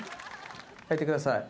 入ってください。